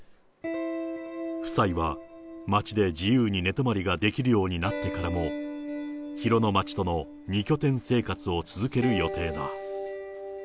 夫妻は、町で自由に寝泊まりができるようになってからも、広野町との２拠点生活を続ける予定だ。